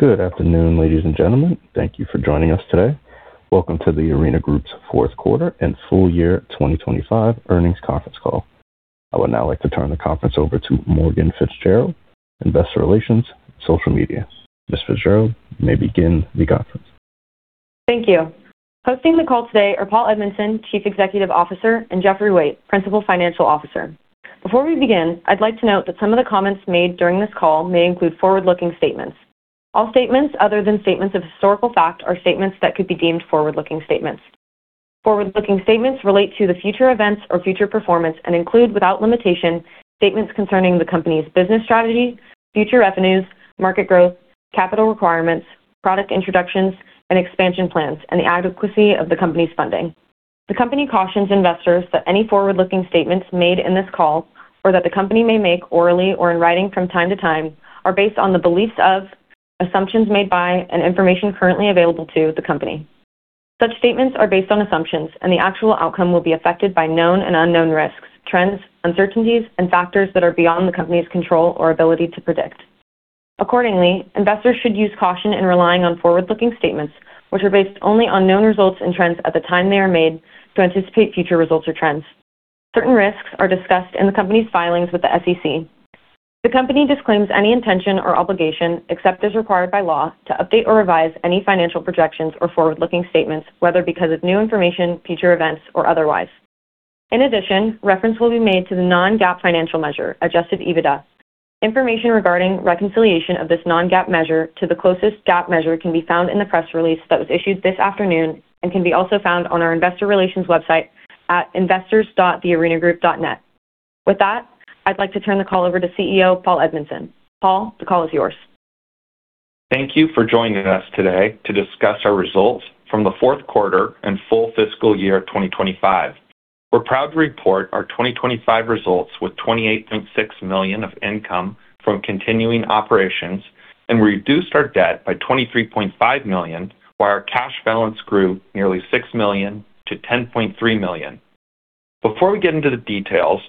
Good afternoon, ladies and gentlemen. Thank you for joining us today. Welcome to The Arena Group's Fourth Quarter and Full Year 2025 Earnings Conference Call. I would now like to turn the conference over to Morgan Fitzgerald, Investor Relations, Social Media. Ms. Fitzgerald, you may begin the conference. Thank you. Hosting the call today are Paul Edmondson, Chief Executive Officer, and Geoffrey Wait, Principal Financial Officer. Before we begin, I'd like to note that some of the comments made during this call may include forward-looking statements. All statements other than statements of historical fact are statements that could be deemed forward-looking statements. Forward-looking statements relate to the future events or future performance and include, without limitation, statements concerning the company's business strategy, future revenues, market growth, capital requirements, product introductions and expansion plans, and the adequacy of the company's funding. The company cautions investors that any forward-looking statements made in this call, or that the company may make orally or in writing from time to time, are based on the beliefs of, assumptions made by, and information currently available to the company. Such statements are based on assumptions, and the actual outcome will be affected by known and unknown risks, trends, uncertainties and factors that are beyond the company's control or ability to predict. Accordingly, investors should use caution in relying on forward-looking statements, which are based only on known results and trends at the time they are made to anticipate future results or trends. Certain risks are discussed in the company's filings with the SEC. The company disclaims any intention or obligation, except as required by law, to update or revise any financial projections or forward-looking statements, whether because of new information, future events, or otherwise. In addition, reference will be made to the non-GAAP financial measure, adjusted EBITDA. Information regarding reconciliation of this non-GAAP measure to the closest GAAP measure can be found in the press release that was issued this afternoon and can be also found on our investor relations website at investors.thearenagroup.net. With that, I'd like to turn the call over to CEO Paul Edmondson. Paul, the call is yours. Thank you for joining us today to discuss our results from the fourth quarter and full fiscal year 2025. We're proud to report our 2025 results with $28.6 million of income from continuing operations, and we reduced our debt by $23.5 million, while our cash balance grew nearly $6 million to $10.3 million. Before we get into the details,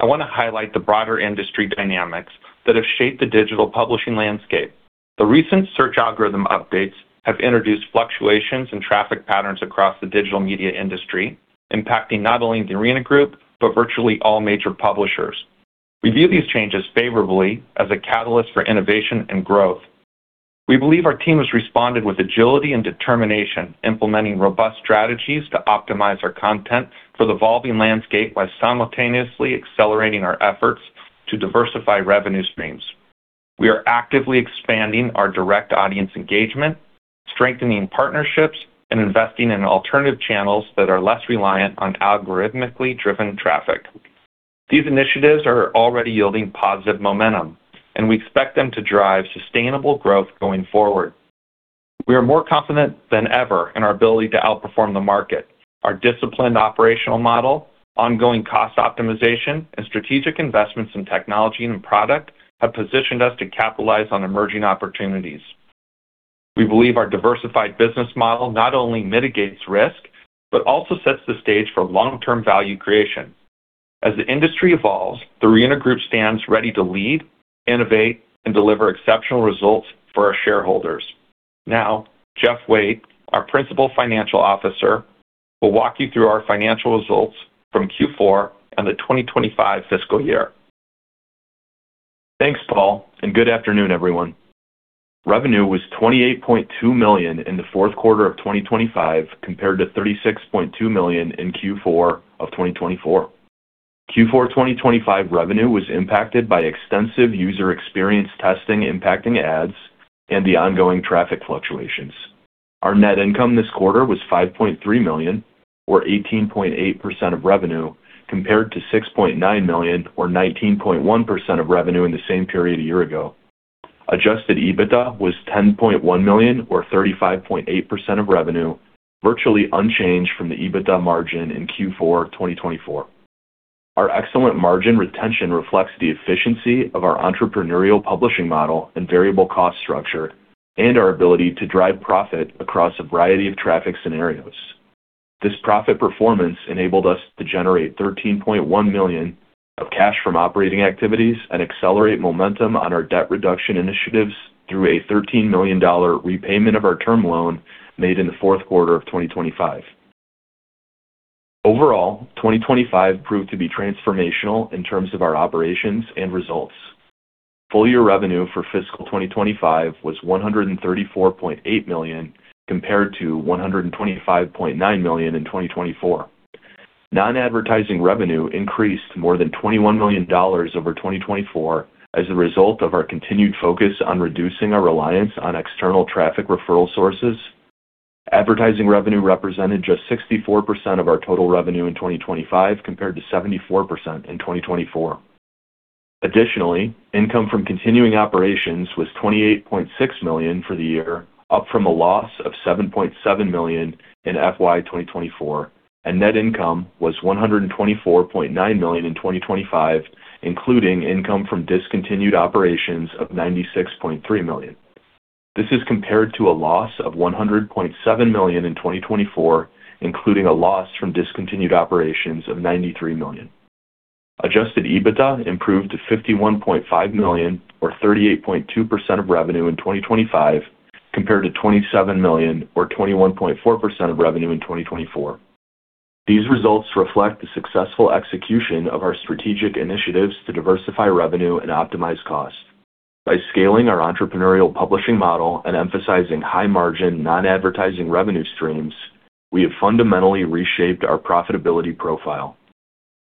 I want to highlight the broader industry dynamics that have shaped the digital publishing landscape. The recent search algorithm updates have introduced fluctuations in traffic patterns across the digital media industry, impacting not only The Arena Group, but virtually all major publishers. We view these changes favorably as a catalyst for innovation and growth. We believe our team has responded with agility and determination, implementing robust strategies to optimize our content for the evolving landscape while simultaneously accelerating our efforts to diversify revenue streams. We are actively expanding our direct audience engagement, strengthening partnerships, and investing in alternative channels that are less reliant on algorithmically driven traffic. These initiatives are already yielding positive momentum, and we expect them to drive sustainable growth going forward. We are more confident than ever in our ability to outperform the market. Our disciplined operational model, ongoing cost optimization, and strategic investments in technology and in product have positioned us to capitalize on emerging opportunities. We believe our diversified business model not only mitigates risk, but also sets the stage for long-term value creation. As the industry evolves, The Arena Group stands ready to lead, innovate, and deliver exceptional results for our shareholders. Now, Geoffrey Wait, our Principal Financial Officer, will walk you through our financial results from Q4 and the 2025 fiscal year. Thanks, Paul, and good afternoon, everyone. Revenue was $28.2 million in the fourth quarter of 2025 compared to $36.2 million in Q4 of 2024. Q4 2025 revenue was impacted by extensive user experience testing impacting ads and the ongoing traffic fluctuations. Our net income this quarter was $5.3 million or 18.8% of revenue, compared to $6.9 million or 19.1% of revenue in the same period a year ago. Adjusted EBITDA was $10.1 million or 35.8% of revenue, virtually unchanged from the EBITDA margin in Q4 of 2024. Our excellent margin retention reflects the efficiency of our entrepreneurial publishing model and variable cost structure and our ability to drive profit across a variety of traffic scenarios. This profit performance enabled us to generate $13.1 million of cash from operating activities and accelerate momentum on our debt reduction initiatives through a $13 million repayment of our term loan made in the fourth quarter of 2025. Overall, 2025 proved to be transformational in terms of our operations and results. Full year revenue for fiscal 2025 was $134.8 million, compared to $125.9 million in 2024. Non-advertising revenue increased more than $21 million over 2024 as a result of our continued focus on reducing our reliance on external traffic referral sources. Advertising revenue represented just 64% of our total revenue in 2025, compared to 74% in 2024. Additionally, income from continuing operations was $28.6 million for the year, up from a loss of $7.7 million in FY 2024, and net income was $124.9 million in 2025, including income from discontinued operations of $96.3 million. This is compared to a loss of $100.7 million in 2024, including a loss from discontinued operations of $93 million. Adjusted EBITDA improved to $51.5 million or 38.2% of revenue in 2025 compared to $27 million or 21.4% of revenue in 2024. These results reflect the successful execution of our strategic initiatives to diversify revenue and optimize costs. By scaling our entrepreneurial publishing model and emphasizing high margin non-advertising revenue streams, we have fundamentally reshaped our profitability profile.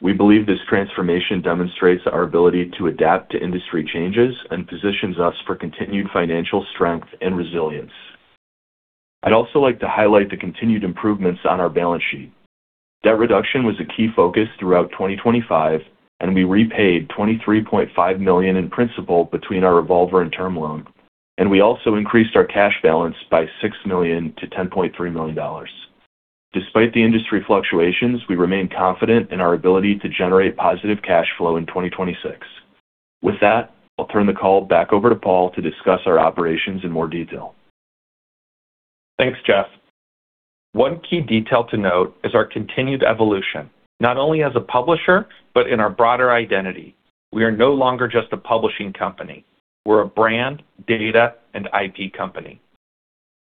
We believe this transformation demonstrates our ability to adapt to industry changes and positions us for continued financial strength and resilience. I'd also like to highlight the continued improvements on our balance sheet. Debt reduction was a key focus throughout 2025, and we repaid $23.5 million in principal between our revolver and term loan, and we also increased our cash balance by $6 million to $10.3 million. Despite the industry fluctuations, we remain confident in our ability to generate positive cash flow in 2026. With that, I'll turn the call back over to Paul to discuss our operations in more detail. Thanks, Geoff. One key detail to note is our continued evolution, not only as a publisher, but in our broader identity. We are no longer just a publishing company. We're a brand, data, and IP company.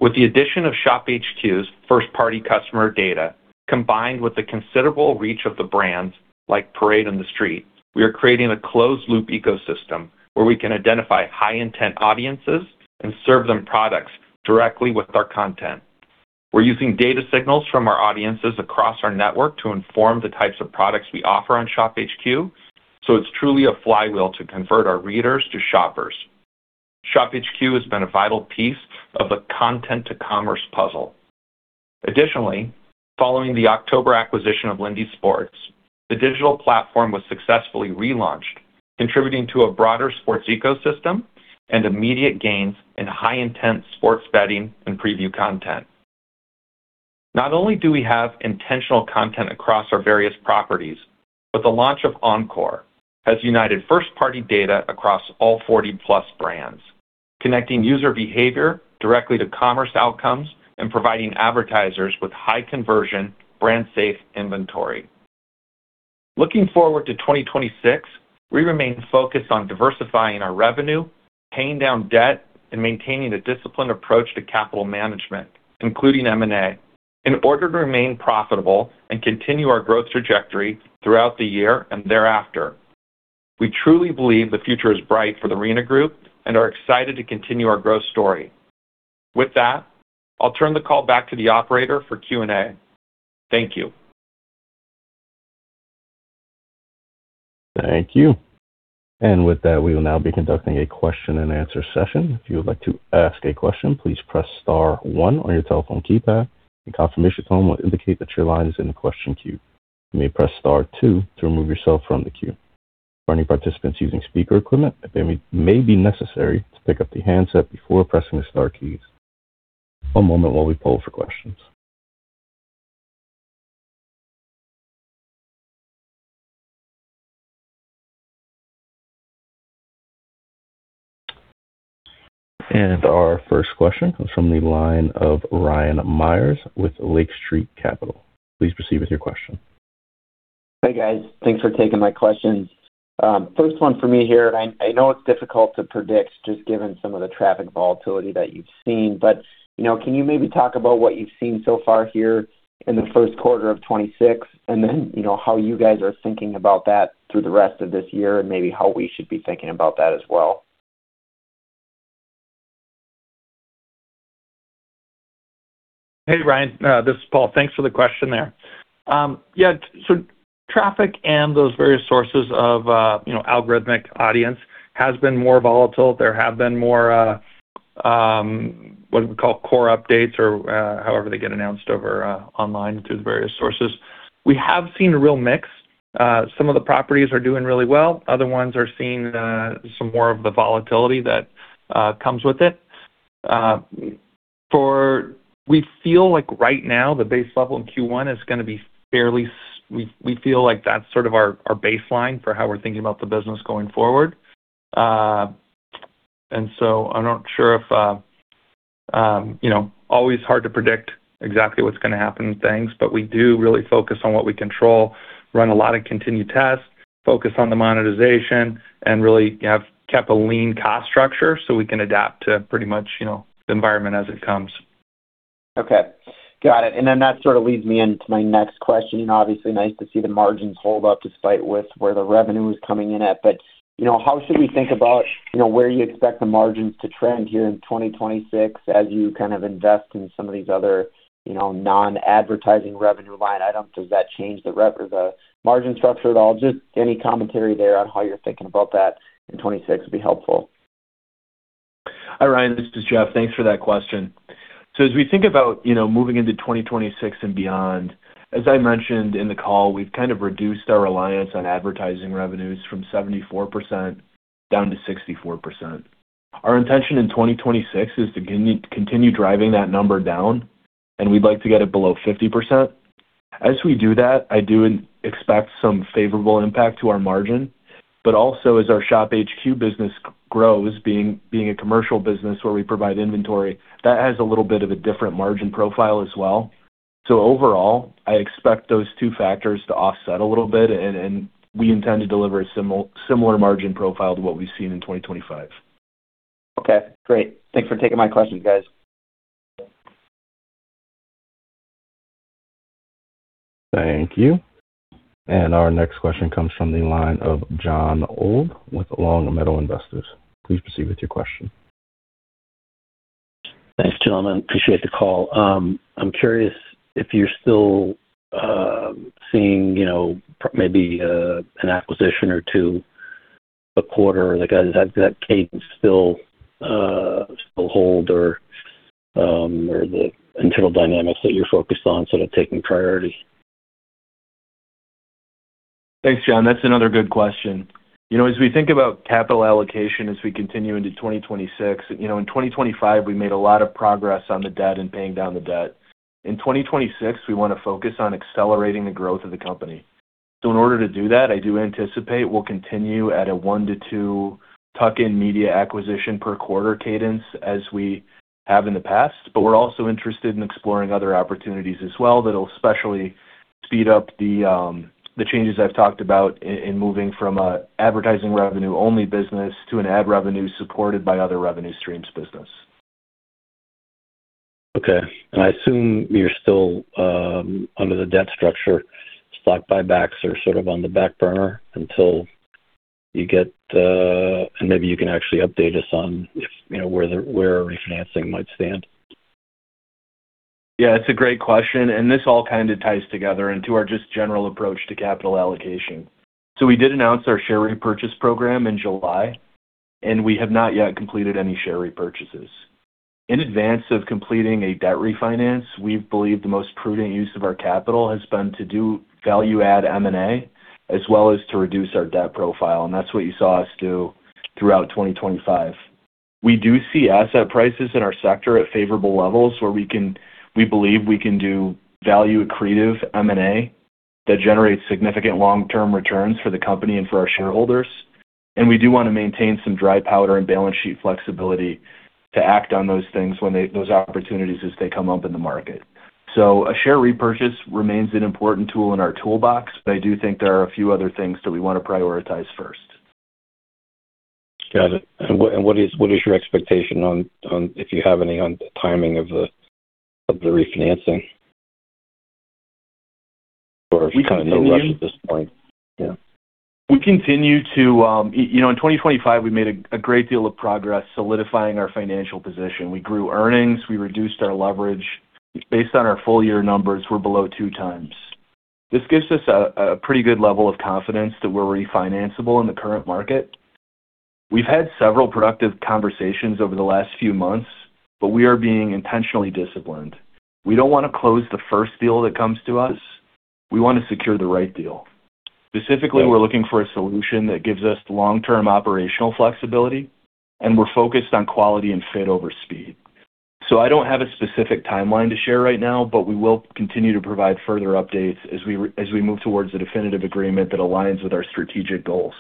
With the addition of ShopHQ's first-party customer data, combined with the considerable reach of the brands like Parade and TheStreet, we are creating a closed loop ecosystem where we can identify high intent audiences and serve them products directly with our content. We're using data signals from our audiences across our network to inform the types of products we offer on ShopHQ, so it's truly a flywheel to convert our readers to shoppers. ShopHQ has been a vital piece of the content-to-commerce puzzle. Additionally, following the October acquisition of Lindy's Sports, the digital platform was successfully relaunched, contributing to a broader sports ecosystem and immediate gains in high intense sports betting and preview content. Not only do we have intentional content across our various properties, but the launch of Encore has united first-party data across all 40+ brands, connecting user behavior directly to commerce outcomes and providing advertisers with high conversion brand safe inventory. Looking forward to 2026, we remain focused on diversifying our revenue, paying down debt, and maintaining a disciplined approach to capital management, including M&A, in order to remain profitable and continue our growth trajectory throughout the year and thereafter. We truly believe the future is bright for The Arena Group and are excited to continue our growth story. With that, I'll turn the call back to the operator for Q&A. Thank you. Thank you. With that, we will now be conducting a question-and-answer session. If you would like to ask a question, please press star one on your telephone keypad. A confirmation tone will indicate that your line is in the question queue. You may press star two to remove yourself from the queue. For any participants using speaker equipment, it may be necessary to pick up the handset before pressing the star keys. One moment while we poll for questions. Our first question comes from the line of Ryan Meyers with Lake Street Capital Markets. Please proceed with your question. Hey, guys. Thanks for taking my questions. First one for me here. I know it's difficult to predict just given some of the traffic volatility that you've seen, but, you know, can you maybe talk about what you've seen so far here in the first quarter of 2026? You know, how you guys are thinking about that through the rest of this year and maybe how we should be thinking about that as well. Hey, Ryan. This is Paul. Thanks for the question there. Yeah. Traffic and those various sources of, you know, algorithmic audience has been more volatile. There have been more, what we call core updates or, however they get announced over online through the various sources. We have seen a real mix. Some of the properties are doing really well. Other ones are seeing some more of the volatility that comes with it. We feel like right now the base level in Q1 is gonna be fairly. We feel like that's sort of our baseline for how we're thinking about the business going forward. I'm not sure if, you know, always hard to predict exactly what's gonna happen and things, but we do really focus on what we control, run a lot of continued tests, focus on the monetization, and really have kept a lean cost structure so we can adapt to pretty much, you know, the environment as it comes. Okay. Got it. Then that sort of leads me into my next question. You know, obviously nice to see the margins hold up despite with where the revenue is coming in at. You know, how should we think about, you know, where you expect the margins to trend here in 2026 as you kind of invest in some of these other, you know, non-advertising revenue line items? Does that change the margin structure at all? Just any commentary there on how you're thinking about that in 2026 would be helpful. Hi, Ryan. This is Geoff. Thanks for that question. As we think about, you know, moving into 2026 and beyond, as I mentioned in the call, we've kind of reduced our reliance on advertising revenues from 74% down to 64%. Our intention in 2026 is to continue driving that number down, and we'd like to get it below 50%. As we do that, I do expect some favorable impact to our margin. But also, as our ShopHQ business grows, being a commercial business where we provide inventory, that has a little bit of a different margin profile as well. Overall, I expect those two factors to offset a little bit and we intend to deliver a similar margin profile to what we've seen in 2025. Okay, great. Thanks for taking my questions, guys. Thank you. Our next question comes from the line of Jon Old with Long Meadow Investors. Please proceed with your question. Thanks, gentlemen. Appreciate the call. I'm curious if you're still seeing, you know, maybe an acquisition or two a quarter. Like, does that cadence still hold or the internal dynamics that you're focused on sort of taking priority? Thanks, Jon. That's another good question. You know, as we think about capital allocation as we continue into 2026, you know, in 2025 we made a lot of progress on the debt and paying down the debt. In 2026, we wanna focus on accelerating the growth of the company. In order to do that, I do anticipate we'll continue at a one-two tuck-in media acquisition per quarter cadence as we have in the past. We're also interested in exploring other opportunities as well that'll especially speed up the changes I've talked about in moving from an advertising revenue only business to an ad revenue supported by other revenue streams business. Okay. I assume you're still under the debt structure. Stock buybacks are sort of on the back burner until you get. Maybe you can actually update us on if, you know, where refinancing might stand. Yeah, it's a great question, and this all kind of ties together into our just general approach to capital allocation. We did announce our share repurchase program in July, and we have not yet completed any share repurchases. In advance of completing a debt refinance, we believe the most prudent use of our capital has been to do value add M&A as well as to reduce our debt profile. That's what you saw us do throughout 2025. We do see asset prices in our sector at favorable levels where we believe we can do value accretive M&A that generates significant long-term returns for the company and for our shareholders. We do wanna maintain some dry powder and balance sheet flexibility to act on those opportunities as they come up in the market. A share repurchase remains an important tool in our toolbox, but I do think there are a few other things that we wanna prioritize first. Got it. What is your expectation on, if you have any, on the timing of the refinancing? Kind of no rush at this point. Yeah. We continue to, you know, in 2025 we made a great deal of progress solidifying our financial position. We grew earnings, we reduced our leverage. Based on our full year numbers, we're below 2x. This gives us a pretty good level of confidence that we're refinanceable in the current market. We've had several productive conversations over the last few months, but we are being intentionally disciplined. We don't wanna close the first deal that comes to us. We wanna secure the right deal. Specifically, we're looking for a solution that gives us long-term operational flexibility, and we're focused on quality and fit over speed. I don't have a specific timeline to share right now, but we will continue to provide further updates as we move towards a definitive agreement that aligns with our strategic goals.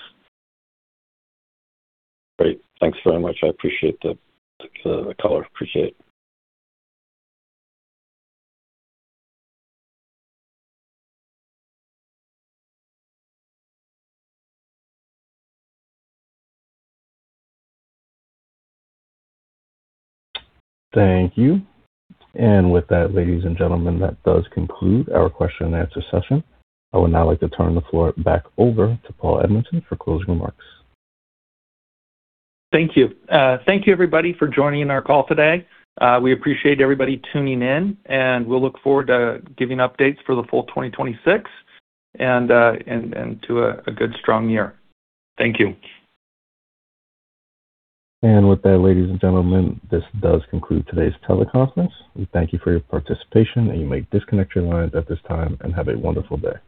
Great. Thanks very much. I appreciate the color. Appreciate it. Thank you. With that, ladies and gentlemen, that does conclude our question and answer session. I would now like to turn the floor back over to Paul Edmondson for closing remarks. Thank you. Thank you everybody for joining our call today. We appreciate everybody tuning in, and we'll look forward to giving updates for the full 2026 and to a good strong year. Thank you. With that, ladies and gentlemen, this does conclude today's teleconference. We thank you for your participation and you may disconnect your lines at this time and have a wonderful day.